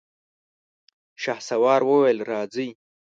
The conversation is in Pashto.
شهسوار وويل: راځئ!